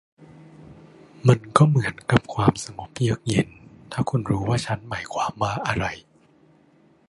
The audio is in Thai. มันเหมือนกับความสงบเยือกเย็น ถ้าคุณรู้ว่าฉันหมายความว่าอะไร